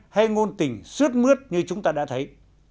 hay ngôn tình suốt mướt như chúng ta đã thấy